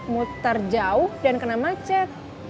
muter jauh dan kena macet